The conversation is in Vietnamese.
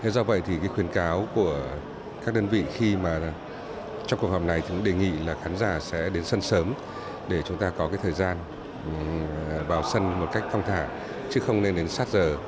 do vậy thì khuyến cáo của các đơn vị khi mà trong cuộc họp này cũng đề nghị là khán giả sẽ đến sân sớm để chúng ta có thời gian vào sân một cách phong thả chứ không nên đến sát giờ